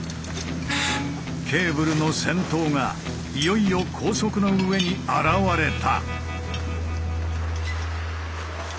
ケーブルの先頭がいよいよ高速の上に現れた。